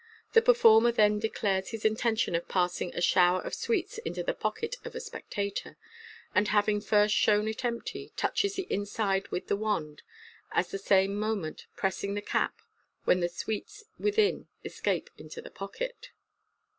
The performer then de clares his intention of passing a shower of sweets Fig. hi. into the pocket of a spectator, and, having first shown it empty, touches the inside with the wand, at the same moment pressing the cap, when the sweets within escape into the pocket.